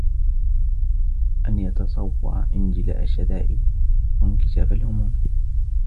أَنْ يَتَصَوَّرَ انْجِلَاءَ الشَّدَائِدِ وَانْكِشَافَ الْهُمُومِ